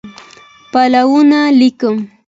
پلونه لیکم